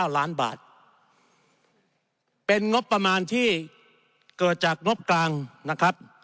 ล้านบาทเป็นงบประมาณที่เกิดจากงบกลางนะครับ